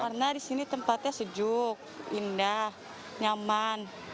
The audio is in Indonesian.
karena di sini tempatnya sejuk indah nyaman